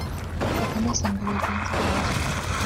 “Kuva nasanga bagenzi banjye